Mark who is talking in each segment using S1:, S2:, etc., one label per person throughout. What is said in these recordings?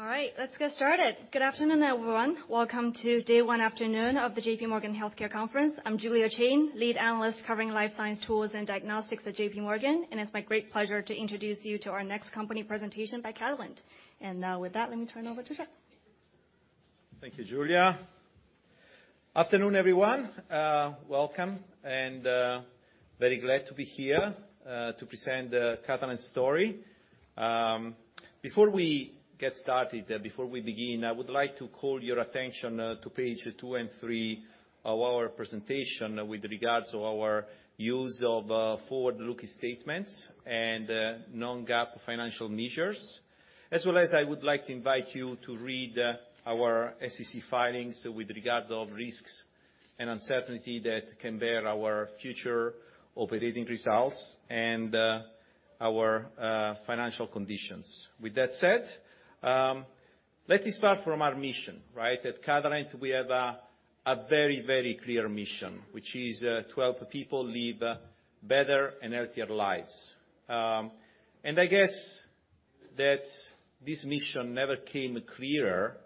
S1: All right, let's get started. Good afternoon, everyone. Welcome to day one afternoon of the JPMorgan Healthcare Conference. I'm Julia Qin, lead analyst covering life science tools and diagnostics at JPMorgan, and it's my great pleasure to introduce you to our next company presentation by Catalent. Now with that, let me turn it over to them.
S2: Thank you, Julia. Afternoon, everyone. Welcome, and very glad to be here to present Catalent's story. Before we get started, before we begin, I would like to call your attention to page two and three of our presentation with regards to our use of forward-looking statements and non-GAAP financial measures. As well as I would like to invite you to read our SEC filings with regard of risks and uncertainty that can bear our future operating results and our financial conditions. With that said, let me start from our mission, right? At Catalent, we have a very, very clear mission, which is to help people live better and healthier lives. I guess that this mission never came clearer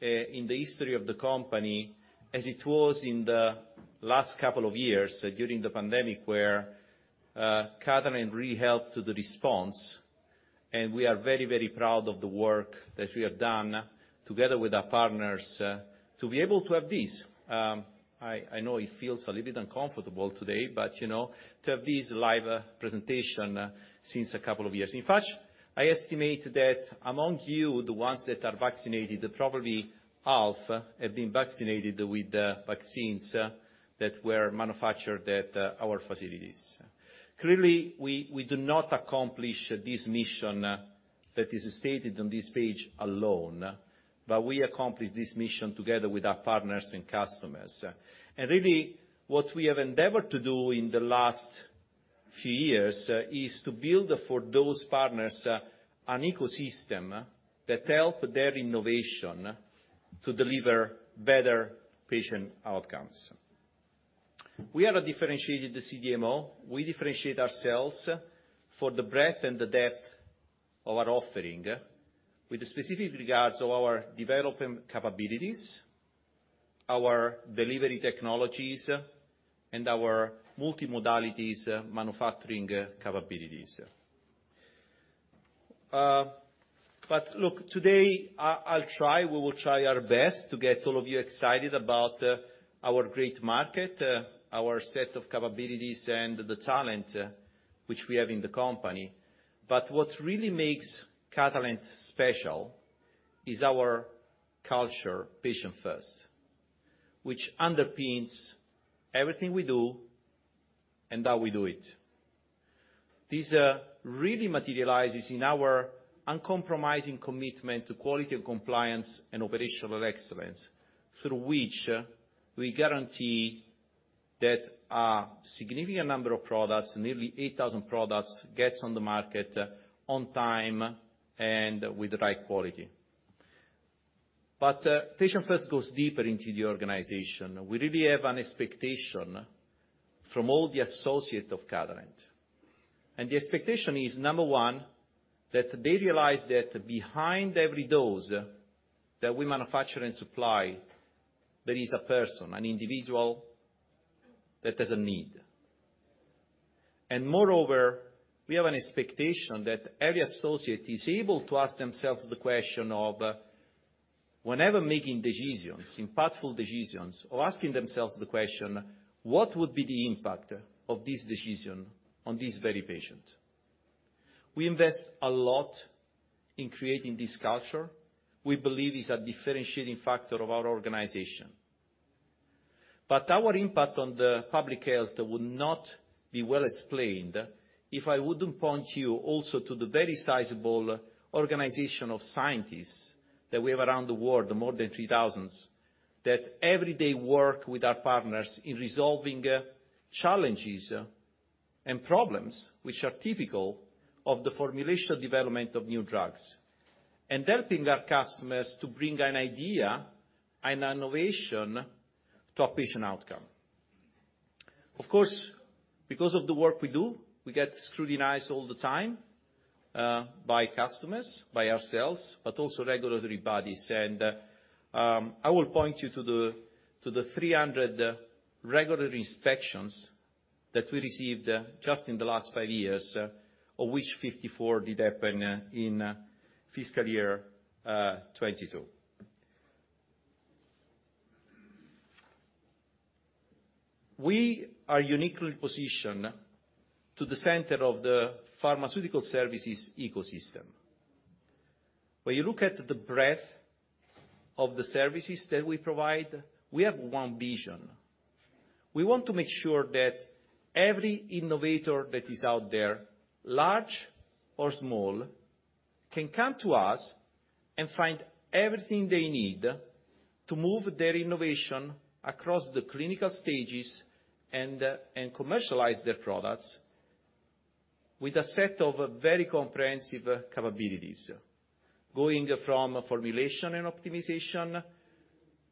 S2: in the history of the company as it was in the last couple of years during the pandemic where Catalent really helped to the response, and we are very, very proud of the work that we have done together with our partners to be able to have this. I know it feels a little bit uncomfortable today, but you know, to have this live presentation since a couple of years. In fact, I estimate that among you, the ones that are vaccinated, probably half have been vaccinated with the vaccines that were manufactured at our facilities. Clearly, we do not accomplish this mission that is stated on this page alone, but we accomplish this mission together with our partners and customers. Really, what we have endeavored to do in the last few years, is to build for those partners, an ecosystem that help their innovation to deliver better patient outcomes. We are a differentiated CDMO. We differentiate ourselves for the breadth and the depth of our offering with specific regards to our development capabilities, our delivery technologies, and our multi-modalities manufacturing capabilities. But look, today we will try our best to get all of you excited about our great market, our set of capabilities and the talent, which we have in the company. What really makes Catalent special is our culture, Patient First, which underpins everything we do and how we do it. This really materializes in our uncompromising commitment to quality and compliance and operational excellence through which we guarantee that a significant number of products, nearly 8,000 products, gets on the market on time and with the right quality. Patient First goes deeper into the organization. We really have an expectation from all the associate of Catalent. The expectation is, number one, that they realize that behind every dose that we manufacture and supply, there is a person, an individual that has a need. Moreover, we have an expectation that every associate is able to ask themselves the question of whenever making decisions, impactful decisions, or asking themselves the question, "What would be the impact of this decision on this very patient?" We invest a lot in creating this culture. We believe it's a differentiating factor of our organization. Our impact on the public health would not be well explained if I wouldn't point you also to the very sizable organization of scientists that we have around the world, more than 3,000, that every day work with our partners in resolving challenges and problems which are typical of the formulation development of new drugs, and helping our customers to bring an idea and innovation to a patient outcome. Of course, because of the work we do, we get scrutinized all the time by customers, by ourselves, but also regulatory bodies. I will point you to the 300 regulatory inspections that we received just in the last five years, of which 54 did happen in fiscal year 2022. We are uniquely positioned to the center of the pharmaceutical services ecosystem. When you look at the breadth of the services that we provide, we have one vision. We want to make sure that every innovator that is out there, large or small, can come to us and find everything they need to move their innovation across the clinical stages and commercialize their products with a set of very comprehensive capabilities, going from formulation and optimization,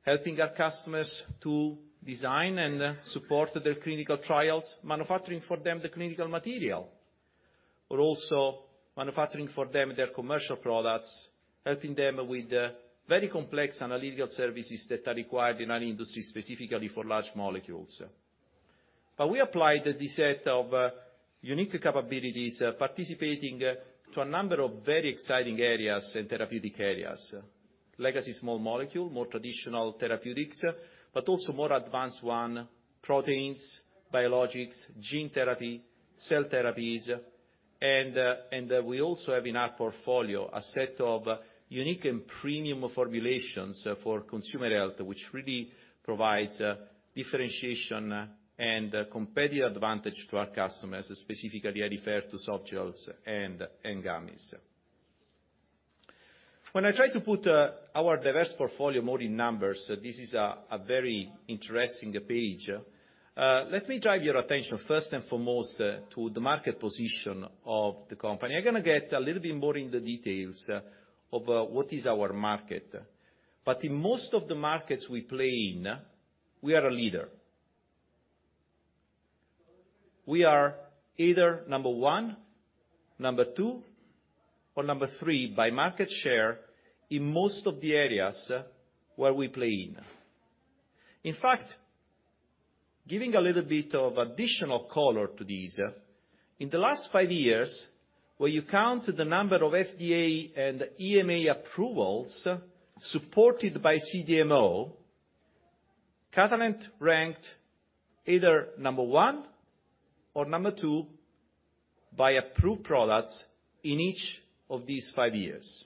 S2: helping our customers to design and support their clinical trials, manufacturing for them the clinical material. Also manufacturing for them their commercial products, helping them with very complex analytical services that are required in our industry, specifically for large molecules. We applied this set of unique capabilities, participating to a number of very exciting areas and therapeutic areas. Legacy small molecule, more traditional therapeutics, also more advanced one, proteins, biologics, gene therapy, cell therapies. We also have in our portfolio a set of unique and premium formulations for consumer health, which really provides differentiation and competitive advantage to our customers, specifically I refer to softgels and gummies. When I try to put our diverse portfolio more in numbers, this is a very interesting page. Let me drive your attention first and foremost to the market position of the company. I'm gonna get a little bit more in the details of what is our market. In most of the markets we play in, we are a leader. We are either number one, number two, or number three by market share in most of the areas where we play in. In fact, giving a little bit of additional color to these, in the last five years, where you count the number of FDA and EMA approvals supported by CDMO, Catalent ranked either number one or number two by approved products in each of these five years.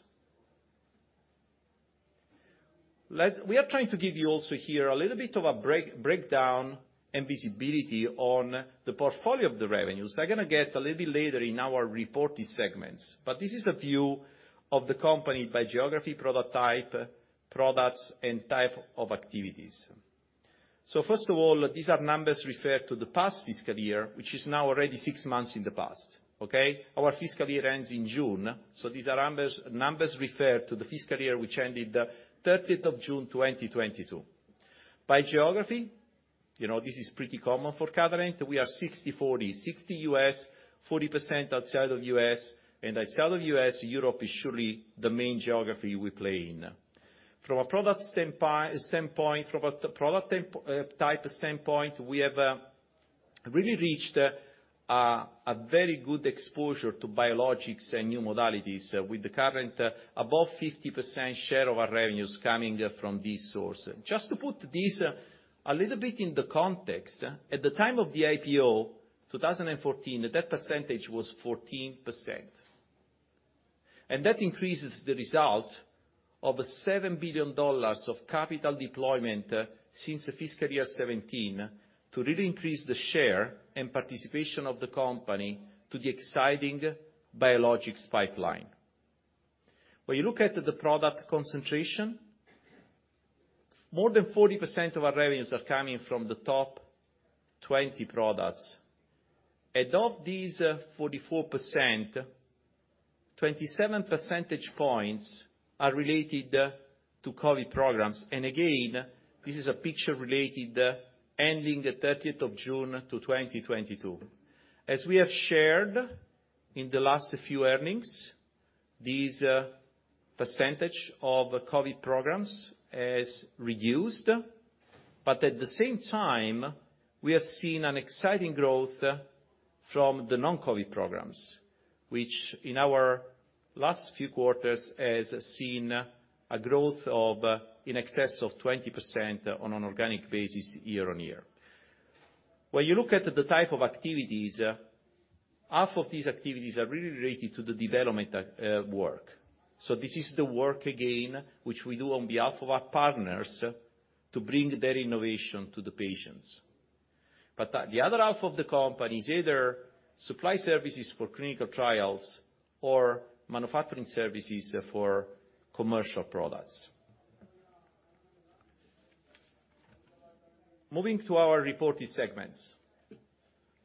S2: We are trying to give you also here a little bit of a breakdown and visibility on the portfolio of the revenues. I'm gonna get a little bit later in our reported segments. This is a view of the company by geography, product type, products, and type of activities. First of all, these are numbers referred to the past fiscal year, which is now already 6 months in the past, okay? Our fiscal year ends in June, so these are numbers referred to the fiscal year which ended 30 of June 2022. By geography, you know, this is pretty common for Catalent. We are 60/40. 60 U.S., 40% outside of U.S. Outside of U.S., Europe is surely the main geography we play in. From a product standpoint, from a product type standpoint, we have really reached a very good exposure to biologics and new modalities with the current above 50% share of our revenues coming from this source. Just to put this a little bit in the context, at the time of the IPO, 2014, that percentage was 14%. That increases the result of $7 billion of capital deployment since fiscal year 2017 to really increase the share and participation of the company to the exciting biologics pipeline. When you look at the product concentration, more than 40% of our revenues are coming from the top 20 products. Of these 44%, 27 percentage points are related to COVID programs. Again, this is a picture related ending the 30th of June 2022. As we have shared in the last few earnings, these percentage of COVID programs has reduced, but at the same time, we have seen an exciting growth from the non-COVID programs, which in our last few quarters has seen a growth of in excess of 20% on an organic basis year-on-year. When you look at the type of activities, half of these activities are really related to the development work. This is the work, again, which we do on behalf of our partners to bring their innovation to the patients. The other half of the company is either supply services for clinical trials or manufacturing services for commercial products. Moving to our reported segments.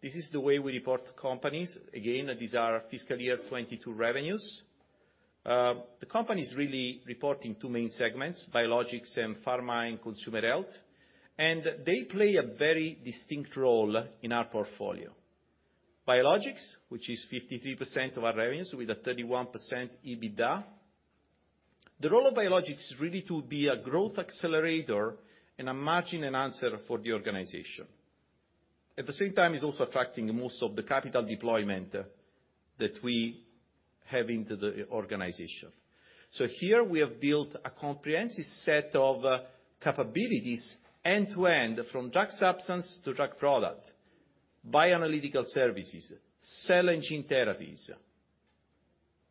S2: This is the way we report companies. Again, these are fiscal year 2022 revenues. The company's really reporting two main segments, Biologics and Pharma and Consumer Health. They play a very distinct role in our portfolio. Biologics, which is 53% of our revenues with a 31% EBITDA. The role of Biologics is really to be a growth accelerator and a margin enhancer for the organization. At the same time, it's also attracting most of the capital deployment that we have into the organization. Here we have built a comprehensive set of capabilities end-to-end, from drug substance to drug product, bioanalytical services, cell and gene therapies,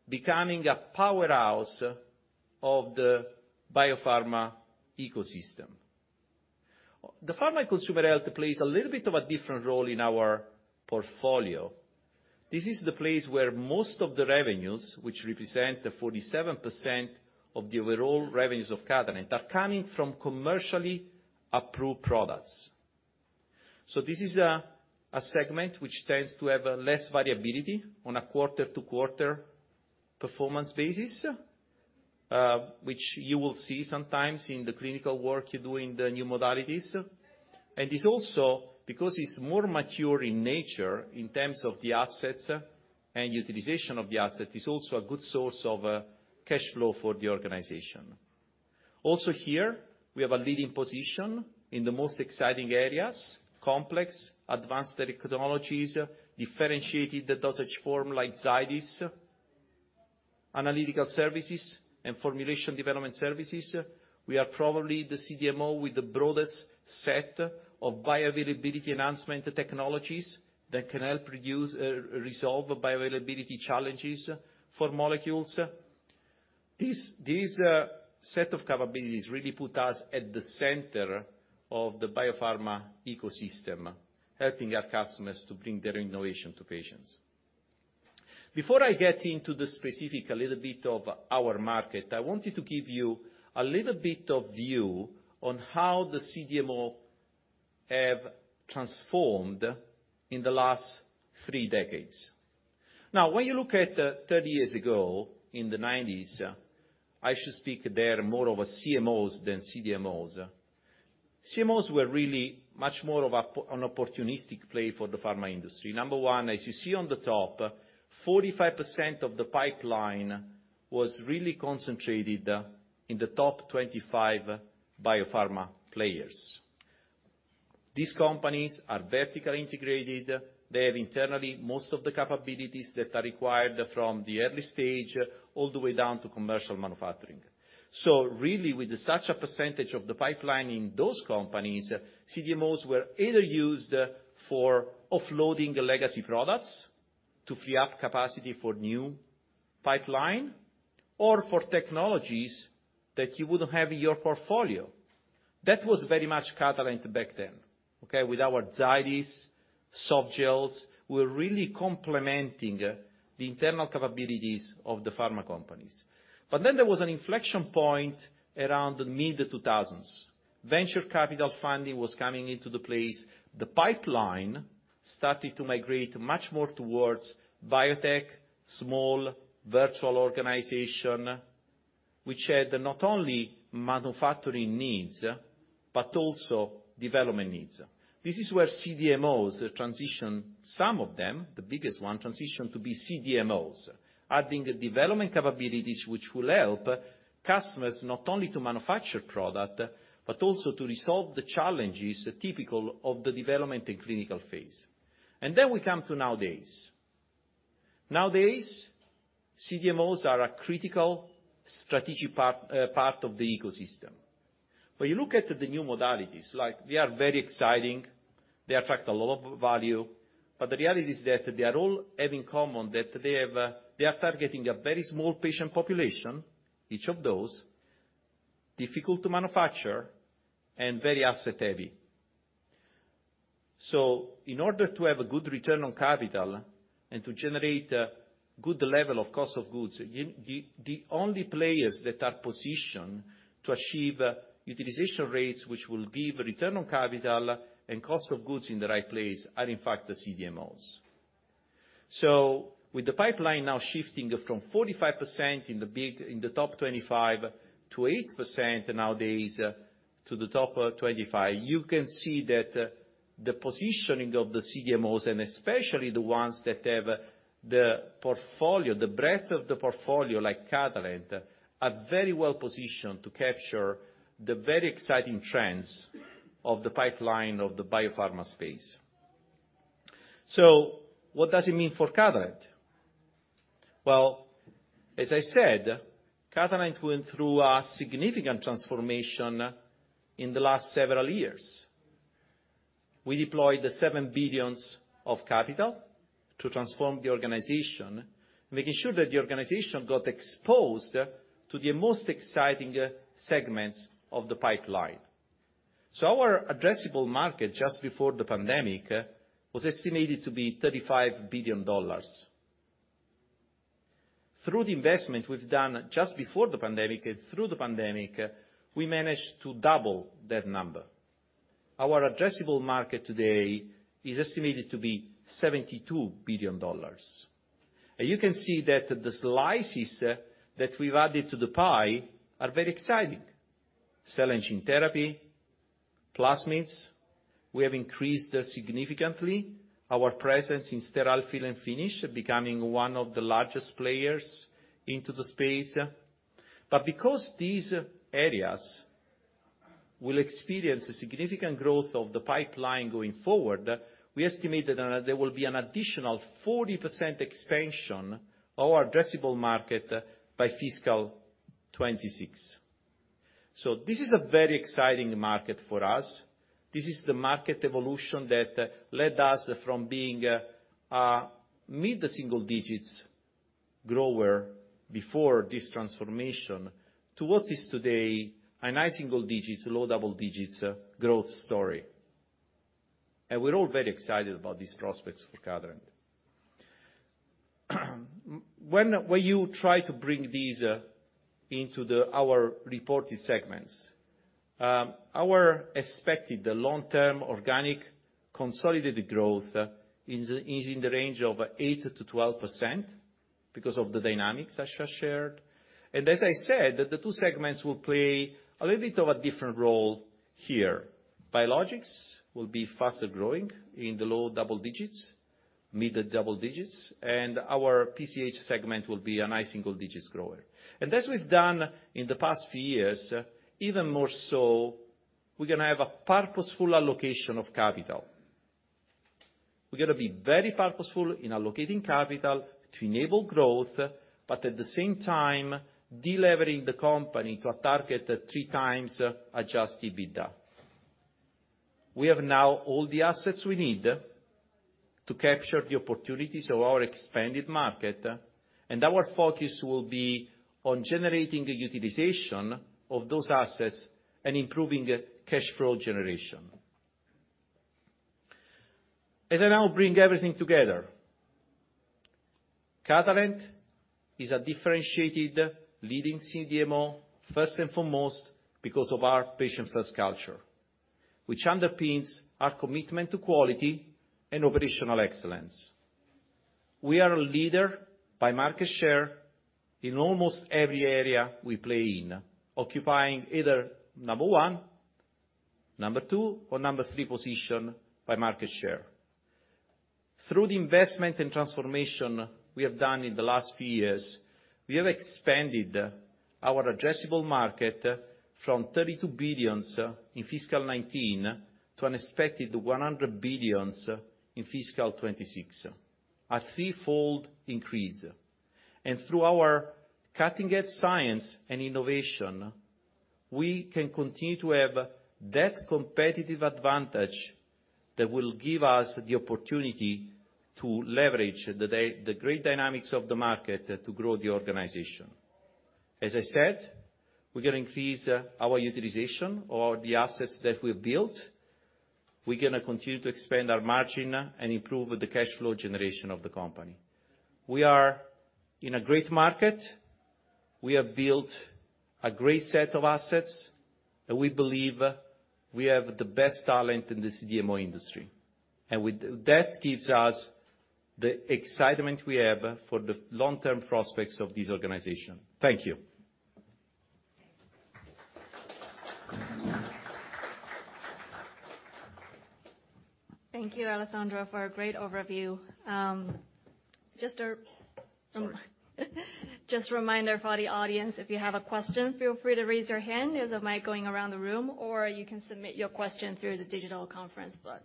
S2: becoming a powerhouse of the biopharma ecosystem. The Pharma and Consumer Health plays a little bit of a different role in our portfolio. This is the place where most of the revenues, which represent the 47% of the overall revenues of Catalent, are coming from commercially approved products. This is a segment which tends to have less variability on a quarter-to-quarter performance basis, which you will see sometimes in the clinical work you do in the new modalities. It's also because it's more mature in nature in terms of the assets and utilization of the asset, it's also a good source of cash flow for the organization. Also here, we have a leading position in the most exciting areas, complex, advanced technologies, differentiated dosage form like Zydis, analytical services, and formulation development services. We are probably the CDMO with the broadest set of bioavailability enhancement technologies that can help reduce, resolve bioavailability challenges for molecules. These set of capabilities really put us at the center of the biopharma ecosystem, helping our customers to bring their innovation to patients. Before I get into the specific a little bit of our market, I wanted to give you a little bit of view on how the CDMO have transformed in the last three decades. When you look at 30 years ago in the 90s, I should speak there more of a CMOs than CDMOs. CMOs were really much more of an opportunistic play for the pharma industry. Number one, as you see on the top, 45% of the pipeline was really concentrated in the top 25 biopharma players. These companies are vertically integrated. They have internally most of the capabilities that are required from the early stage all the way down to commercial manufacturing. Really, with such a percentage of the pipeline in those companies, CDMOs were either used for offloading legacy products to free up capacity for new pipeline or for technologies that you wouldn't have in your portfolio. That was very much Catalent back then, okay? With our Zydis, softgels, we're really complementing the internal capabilities of the pharma companies. Then there was an inflection point around the mid 2000s. Venture capital funding was coming into the place. The pipeline started to migrate much more towards biotech, small virtual organization, which had not only manufacturing needs, but also development needs. This is where CDMOs transition, some of them, the biggest one, transition to be CDMOs, adding development capabilities which will help customers not only to manufacture product, but also to resolve the challenges typical of the development and clinical phase. Then we come to nowadays. Nowadays, CDMOs are a critical strategic part of the ecosystem. When you look at the new modalities, like they are very exciting, they attract a lot of value, but the reality is that they are all have in common that they have, they are targeting a very small patient population, each of those, difficult to manufacture and very asset heavy. In order to have a good return on capital and to generate, good level of cost of goods, the only players that are positioned to achieve utilization rates, which will give return on capital and cost of goods in the right place, are in fact the CDMOs. With the pipeline now shifting from 45% in the big, in the top 25 to 8% nowadays to the top 25, you can see that the positioning of the CDMOs, and especially the ones that have the portfolio, the breadth of the portfolio like Catalent, are very well positioned to capture the very exciting trends of the pipeline of the biopharma space. What does it mean for Catalent? Well, as I said, Catalent went through a significant transformation in the last several years. We deployed $7 billion of capital to transform the organization, making sure that the organization got exposed to the most exciting segments of the pipeline. Our addressable market just before the pandemic was estimated to be $35 billion. Through the investment we've done just before the pandemic and through the pandemic, we managed to double that number. Our addressable market today is estimated to be $72 billion. You can see that the slices that we've added to the pie are very exciting. Cell and gene therapy, plasmids, we have increased significantly our presence in sterile fill and finish, becoming one of the largest players into the space. Because these areas will experience a significant growth of the pipeline going forward, we estimate that there will be an additional 40% expansion our addressable market by fiscal 2026. This is a very exciting market for us. This is the market evolution that led us from being a mid-single-digits grower before this transformation to what is today a high-single-digits, low-double-digits growth story. We're all very excited about these prospects for Catalent. When, when you try to bring these into our reported segments, our expected long-term organic consolidated growth is in the range of 8%-12% because of the dynamics I just shared. As I said, the two segments will play a little bit of a different role here. Biologics will be faster-growing in the low double digits, mid double digits, and our PCH segment will be a nice single digits grower. As we've done in the past few years, even more so, we're gonna have a purposeful allocation of capital. We're gonna be very purposeful in allocating capital to enable growth, but at the same time, delevering the company to a target at 3x adjusted EBITDA. We have now all the assets we need to capture the opportunities of our expanded market, and our focus will be on generating the utilization of those assets and improving cash flow generation. As I now bring everything together, Catalent is a differentiated leading CDMO, first and foremost, because of our Patient First culture, which underpins our commitment to quality and operational excellence. We are a leader by market share in almost every area we play in, occupying either number one, number two, or number three position by market share. Through the investment and transformation we have done in the last few years, we have expanded our addressable market from $32 billion in fiscal 2019 to an expected $100 billion in fiscal 2026, a threefold increase. Through our cutting-edge science and innovation, we can continue to have that competitive advantage that will give us the opportunity to leverage the great dynamics of the market to grow the organization. As I said, we're gonna increase our utilization of the assets that we have built. We're gonna continue to expand our margin and improve the cash flow generation of the company. We are in a great market. We have built a great set of assets, and we believe we have the best talent in the CDMO industry. That gives us the excitement we have for the long-term prospects of this organization. Thank you.
S1: Thank you, Alessandro, for a great overview.
S2: Sorry.
S1: Just a reminder for the audience, if you have a question, feel free to raise your hand. There's a mic going around the room, or you can submit your question through the digital conference book.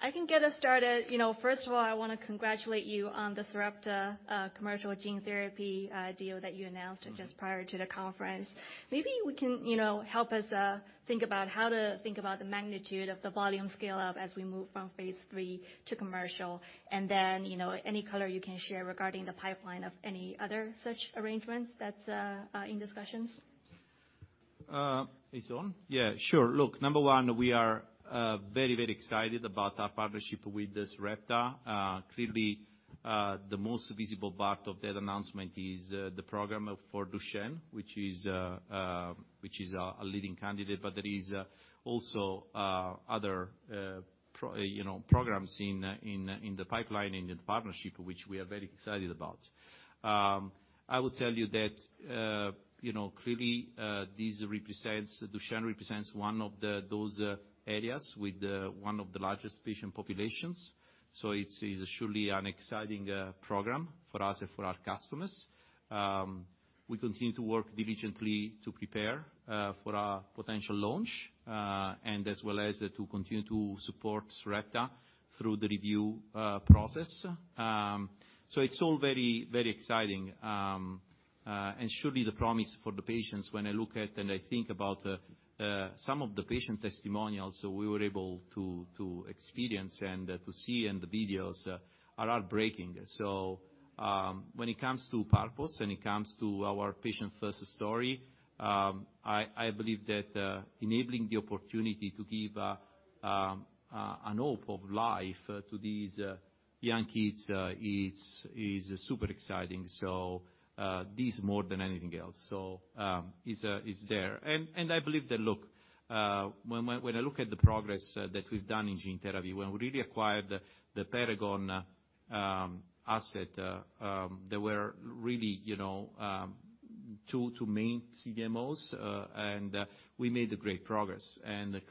S1: I can get us started. You know, first of all, I wanna congratulate you on the Sarepta commercial gene therapy deal that you announced just prior to the conference. Maybe we can, you know, help us think about how to think about the magnitude of the volume scale-up as we move from phase III to commercial, and then, you know, any color you can share regarding the pipeline of any other such arrangements that's in discussions?
S2: Is it on? Yeah, sure. Look, number one, we are very, very excited about our partnership with Sarepta. Clearly, the most visible part of that announcement is the program for Duchenne, which is a leading candidate, but there is also other programs in the pipeline in the partnership, which we are very excited about. I will tell you that, you know, clearly, Duchenne represents those areas with one of the largest patient populations. It's surely an exciting program for us and for our customers. We continue to work diligently to prepare for a potential launch and as well as to continue to support Sarepta through the review process. It's all very, very exciting, and surely the promise for the patients when I look at and I think about some of the patient testimonials we were able to experience and to see in the videos are heartbreaking. When it comes to purpose, when it comes to our Patient First story, I believe that enabling the opportunity to give an hope of life to these young kids, it's super exciting. This more than anything else. Is there. I believe that, look, when I look at the progress that we've done in gene therapy, when we really acquired the Paragon asset, there were really, you know, two main CDMOs, and we made great progress.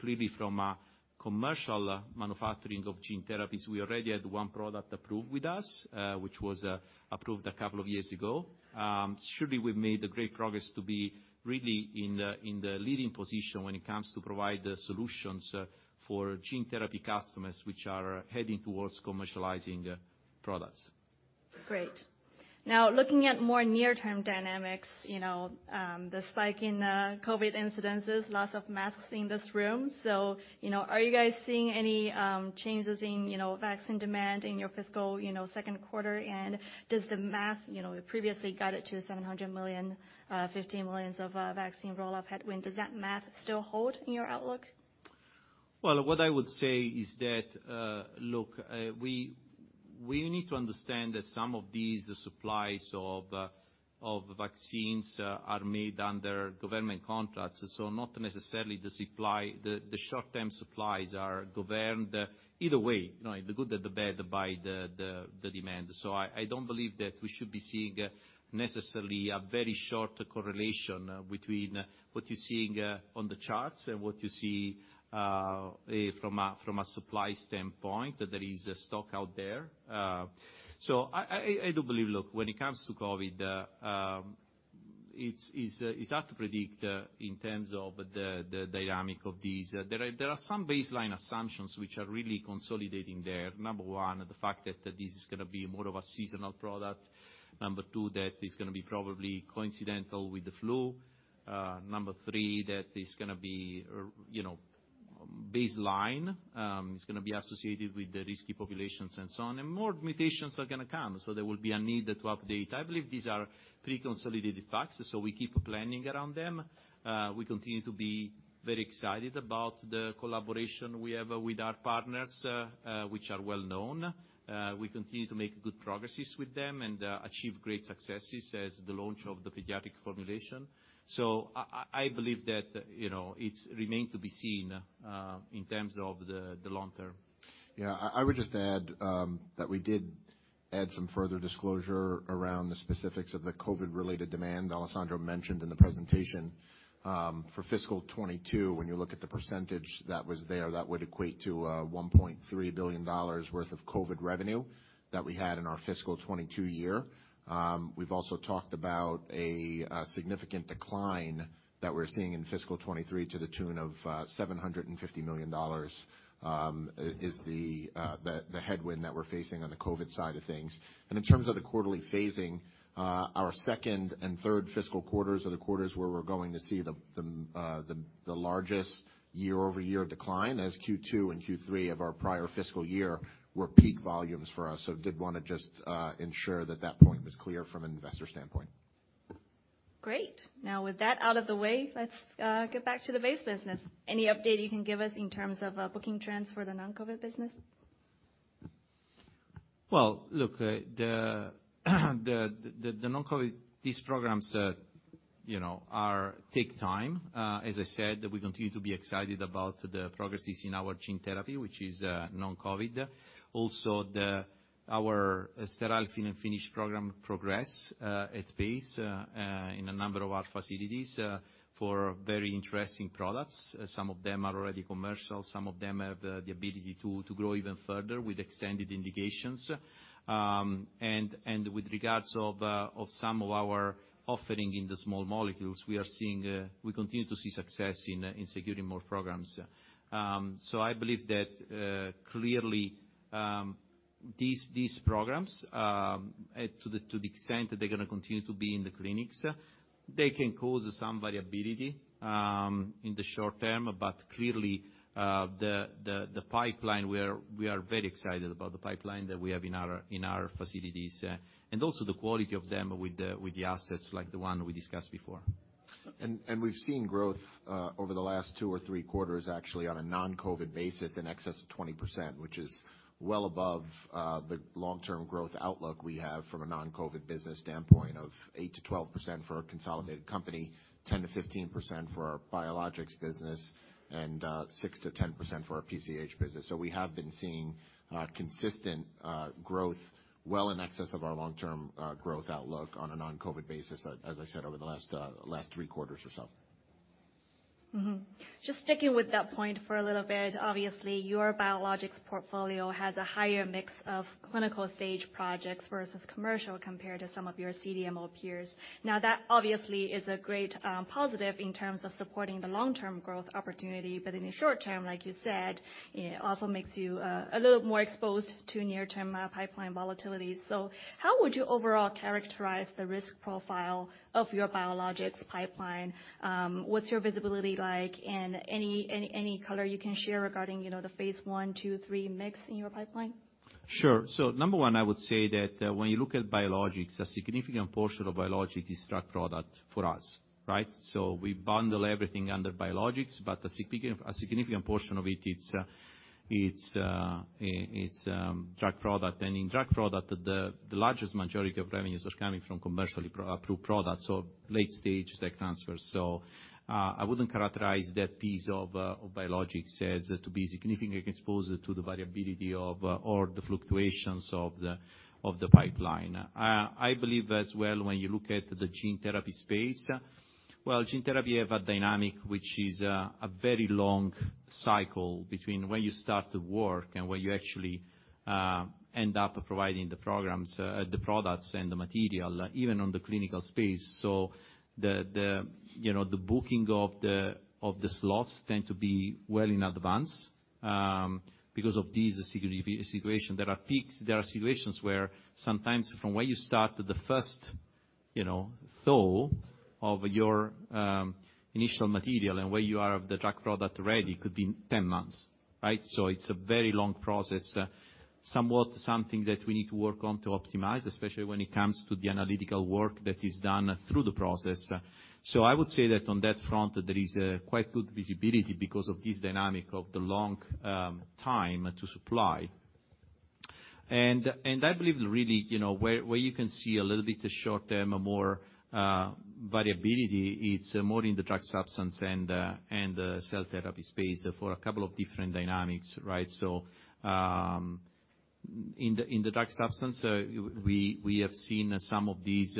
S2: Clearly from a commercial manufacturing of gene therapies, we already had one product approved with us, which was approved a couple of years ago. Surely we've made great progress to be really in the, in the leading position when it comes to provide the solutions for gene therapy customers which are heading towards commercializing products.
S1: Great. Now looking at more near-term dynamics, you know, the spike in COVID incidences, lots of masks in this room. You know, are you guys seeing any changes in, you know, vaccine demand in your fiscal, you know, second quarter? Does the math, you know, previously guided to $700 million, $15 million of vaccine roll-up headwind, does that math still hold in your outlook?
S2: Well, what I would say is that, look, we need to understand that some of these supplies of vaccines, are made under government contracts. Not necessarily the supply, the short-term supplies are governed either way, you know, the good or the bad, by the demand. I don't believe that we should be seeing necessarily a very short correlation between what you're seeing, on the charts and what you see, from a, from a supply standpoint, that there is a stock out there. I, I do believe, look, when it comes to COVID, it's hard to predict, in terms of the dynamic of these. There are some baseline assumptions which are really consolidating there. Number one, the fact that this is gonna be more of a seasonal product. Number two, that it's gonna be probably coincidental with the flu. Number three, that it's gonna be, you know, baseline, it's gonna be associated with the risky populations and so on, and more mutations are gonna come, so there will be a need to update. I believe these are pre-consolidated facts, so we keep planning around them. We continue to be very excited about the collaboration we have with our partners, which are well known. We continue to make good progresses with them and achieve great successes as the launch of the pediatric formulation. I believe that, you know, it's remained to be seen in terms of the long term.
S3: Yeah. I would just add that we did add some further disclosure around the specifics of the COVID-related demand Alessandro mentioned in the presentation. For fiscal 2022, when you look at the percentage that was there, that would equate to $1.3 billion worth of COVID revenue that we had in our fiscal 2022 year. We've also talked about a significant decline that we're seeing in fiscal 2023 to the tune of $750 million is the headwind that we're facing on the COVID side of things. In terms of the quarterly phasing, our second and third fiscal quarters are the quarters where we're going to see the largest year-over-year decline as Q2 and Q3 of our prior fiscal year were peak volumes for us. Did wanna just ensure that that point was clear from an investor standpoint.
S1: Great. Now with that out of the way, let's get back to the base business. Any update you can give us in terms of booking trends for the non-COVID business?
S2: Well, look, the non-COVID, these programs, you know, are take time. As I said, we continue to be excited about the progresses in our gene therapy, which is non-COVID. Also, our sterile fill and finish program progress at pace in a number of our facilities for very interesting products. Some of them are already commercial, some of them have the ability to grow even further with extended indications. With regards of some of our offering in the small molecules, we are seeing, we continue to see success in securing more programs. I believe that, clearly, these programs, at, to the extent that they're gonna continue to be in the clinics, they can cause some variability, in the short term, but clearly, the pipeline we are very excited about the pipeline that we have in our facilities, and also the quality of them with the assets like the one we discussed before.
S3: We've seen growth over the last two or three quarters actually on a non-COVID basis in excess of 20%, which is well above the long-term growth outlook we have from a non-COVID business standpoint of 8%-12% for our consolidated company, 10%-15% for our biologics business, and 6%-10% for our PCH business. We have been seeing consistent growth well in excess of our long-term growth outlook on a non-COVID basis, as I said, over the last three quarters or so.
S1: Just sticking with that point for a little bit. Obviously, your biologics portfolio has a higher mix of clinical stage projects versus commercial compared to some of your CDMO peers. That obviously is a great positive in terms of supporting the long-term growth opportunity. In the short term, like you said, it also makes you a little more exposed to near-term pipeline volatility. How would you overall characterize the risk profile of your biologics pipeline? What's your visibility like? Any color you can share regarding, you know, the phase I, II, III mix in your pipeline?
S2: Sure. Number one, I would say that when you look at biologics, a significant portion of biologics is drug product for us, right? We bundle everything under biologics, but a significant portion of it's drug product. In drug product, the largest majority of revenues are coming from commercially approved products, so late stage tech transfers. I wouldn't characterize that piece of biologics as to be significantly exposed to the variability of, or the fluctuations of the pipeline. I believe as well, when you look at the gene therapy space, well, gene therapy have a dynamic which is, a very long cycle between when you start the work and when you actually, end up providing the programs, the products and the material, even on the clinical space. The, you know, the booking of the slots tend to be well in advance because of this situation. There are peaks, there are situations where sometimes from when you start the first, you know, thaw of your initial material and where you are of the drug product ready could be 10 months, right? It's a very long process, somewhat something that we need to work on to optimize, especially when it comes to the analytical work that is done through the process. I would say that on that front, there is quite good visibility because of this dynamic of the long time to supply. I believe really, you know, where you can see a little bit the short-term more variability, it's more in the drug substance and the cell therapy space for a couple of different dynamics, right? In the drug substance, we have seen some of these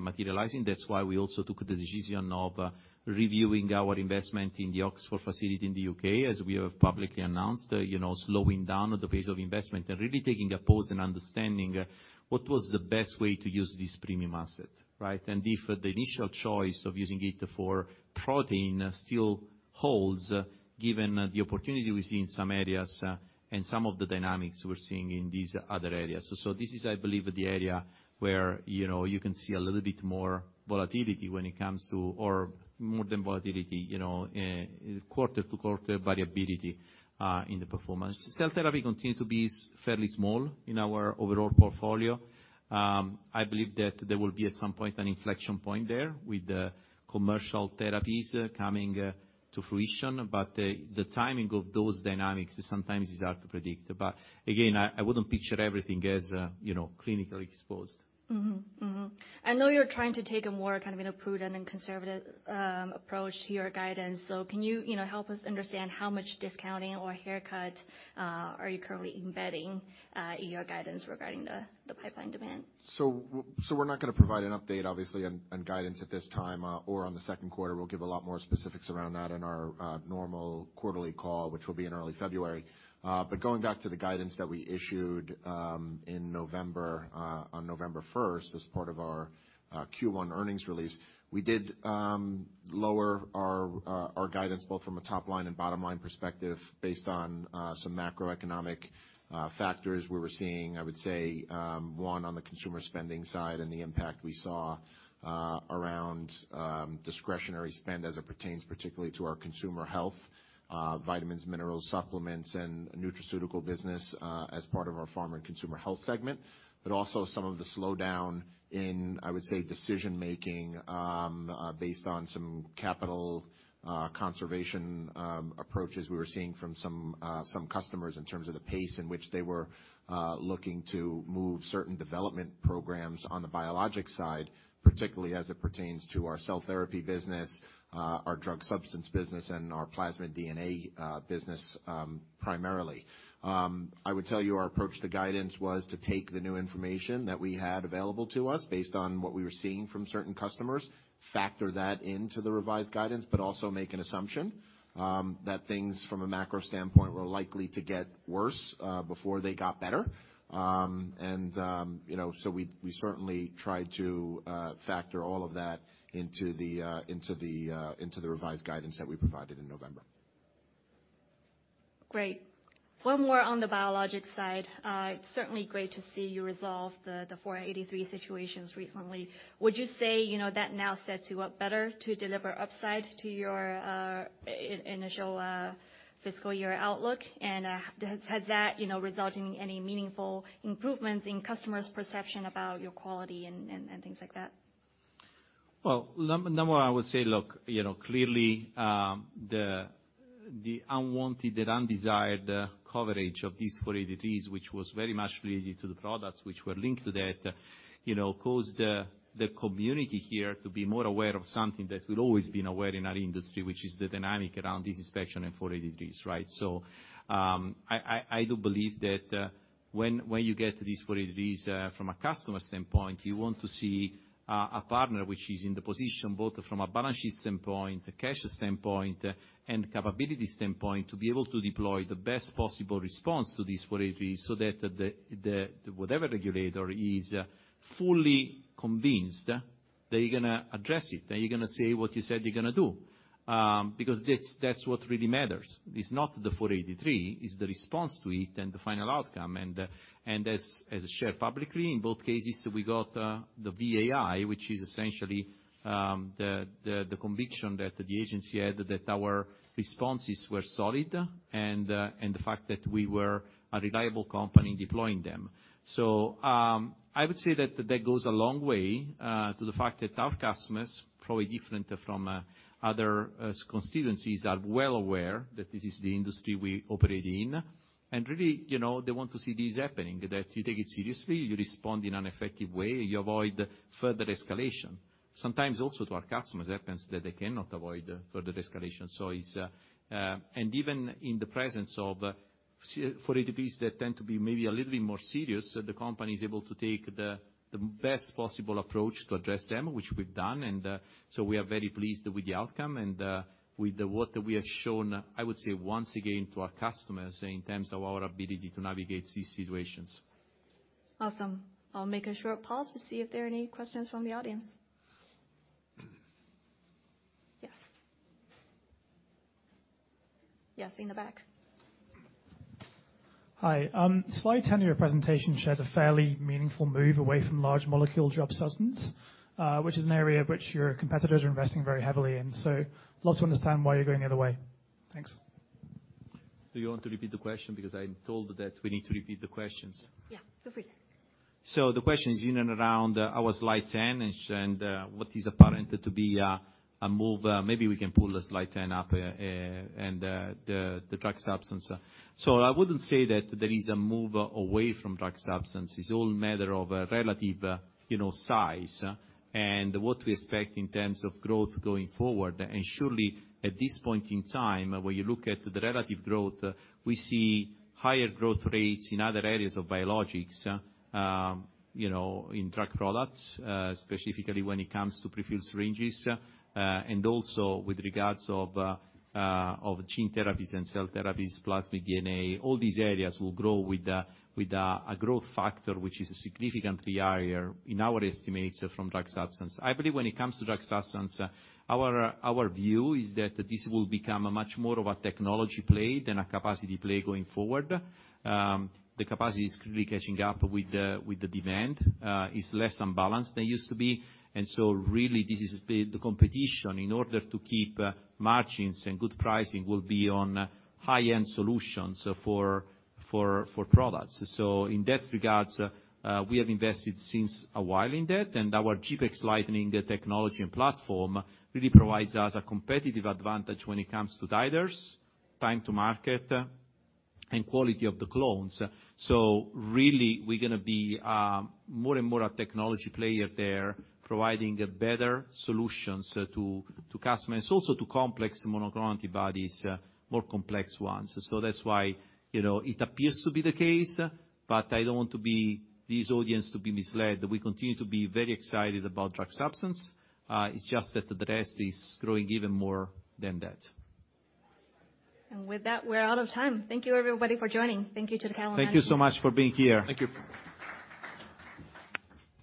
S2: materializing. That's why we also took the decision of reviewing our investment in the Oxford facility in the U.K. as we have publicly announced, you know, slowing down the pace of investment and really taking a pause and understanding what was the best way to use this premium asset, right? If the initial choice of using it for protein still holds, given the opportunity we see in some areas and some of the dynamics we're seeing in these other areas. This is, I believe, the area where, you know, you can see a little bit more volatility when it comes to... or more than volatility, you know, quarter-to-quarter variability in the performance. Cell therapy continue to be fairly small in our overall portfolio. I believe that there will be, at some point, an inflection point there with the commercial therapies coming to fruition, but the timing of those dynamics sometimes is hard to predict. Again, I wouldn't picture everything as, you know, clinically exposed.
S1: I know you're trying to take a more kind of a prudent and conservative approach to your guidance, so can you know, help us understand how much discounting or haircut are you currently embedding in your guidance regarding the pipeline demand?
S3: We're not gonna provide an update, obviously, on guidance at this time, or on the second quarter. We'll give a lot more specifics around that in our normal quarterly call, which will be in early February. Going back to the guidance that we issued in November, on November first as part of our Q1 earnings release, we did lower our guidance both from a top-line and bottom-line perspective based on some macroeconomic factors where we're seeing, I would say, one, on the consumer spending side and the impact we saw around discretionary spend as it pertains particularly to our consumer health, vitamins, minerals, supplements, and nutraceutical business, as part of our pharma and consumer health segment. Also some of the slowdown in, I would say, decision-making, based on some capital conservation approaches we were seeing from some customers in terms of the pace in which they were looking to move certain development programs on the biologic side, particularly as it pertains to our cell therapy business, our drug substance business, and our plasmid DNA business, primarily. I would tell you our approach to guidance was to take the new information that we had available to us based on what we were seeing from certain customers, factor that into the revised guidance, but also make an assumption that things from a macro standpoint were likely to get worse before they got better. You know, so we certainly tried to factor all of that into the revised guidance that we provided in November.
S1: Great. One more on the biologic side. It's certainly great to see you resolve the Form 483 situations recently. Would you say, you know, that now sets you up better to deliver upside to your initial fiscal year outlook? Has that, you know, resulted in any meaningful improvements in customers' perception about your quality and things like that?
S2: Well, number one, I would say, look, you know, clearly, the unwanted, the undesired coverage of these Form 483s, which was very much related to the products which were linked to that, you know, caused the community here to be more aware of something that we'd always been aware in our industry, which is the dynamic around this inspection and Form 483s, right? I do believe that when you get these Form 483s from a customer standpoint, you want to see a partner which is in the position, both from a balance sheet standpoint, a cash standpoint, and capability standpoint, to be able to deploy the best possible response to these Form 483s, so that the whatever regulator is fully convinced that you're gonna address it, that you're gonna say what you said you're gonna do. Because that's what really matters. It's not the Form 483, it's the response to it and the final outcome. As shared publicly, in both cases, we got the VAI, which is essentially the conviction that the agency had that our responses were solid and the fact that we were a reliable company deploying them. I would say that that goes a long way to the fact that our customers, probably different from other constituencies, are well aware that this is the industry we operate in. Really, you know, they want to see this happening, that you take it seriously, you respond in an effective way, you avoid further escalation. Sometimes also to our customers, it happens that they cannot avoid further escalation. It's. Even in the presence of Form 483s that tend to be maybe a little bit more serious, the company is able to take the best possible approach to address them, which we've done, so we are very pleased with the outcome and with what we have shown, I would say, once again to our customers in terms of our ability to navigate these situations.
S1: Awesome. I'll make a short pause to see if there are any questions from the audience. Yes. Yes, in the back.
S4: Hi. Slide 10 of your presentation shows a fairly meaningful move away from large molecule drug substance, which is an area which your competitors are investing very heavily in. Love to understand why you're going the other way. Thanks.
S2: Do you want to repeat the question? I'm told that we need to repeat the questions.
S1: Yeah, feel free.
S2: The question is in and around our slide ten and what is apparent to be a move. Maybe we can pull the slide ten up and the drug substance. I wouldn't say that there is a move away from drug substance. It's all matter of a relative, you know, size, and what we expect in terms of growth going forward. Surely, at this point in time, when you look at the relative growth, we see higher growth rates in other areas of biologics, you know, in drug products, specifically when it comes to prefilled syringes, and also with regards of gene therapies and cell therapies, plasmid DNA. All these areas will grow with a growth factor which is significantly higher in our estimates from drug substance. I believe when it comes to drug substance, our view is that this will become a much more of a technology play than a capacity play going forward. The capacity is clearly catching up with the demand. It's less unbalanced than it used to be. Really this has been the competition in order to keep margins and good pricing will be on high-end solutions for products. In that regards, we have invested since a while in that, and our GPEx Lightning technology and platform really provides us a competitive advantage when it comes to titers, time to market, and quality of the clones. Really, we're gonna be more and more a technology player there, providing better solutions to customers, also to complex monoclonal antibodies, more complex ones. That's why, you know, it appears to be the case, but I don't want this audience to be misled. We continue to be very excited about drug substance. It's just that the rest is growing even more than that.
S1: With that, we're out of time. Thank you everybody for joining.
S2: Thank you so much for being here.
S3: Thank you.